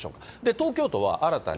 東京都は新たに。